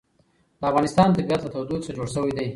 د افغانستان طبیعت له تودوخه څخه جوړ شوی دی.